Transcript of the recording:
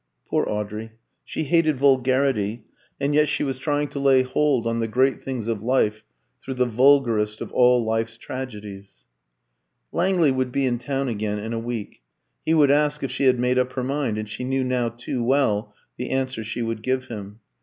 Poor Audrey! She hated vulgarity, and yet she was trying to lay hold on "the great things of life" through the vulgarest of all life's tragedies. Langley would be in town again in a week. He would ask if she had made up her mind; and she knew now too well the answer she would give him.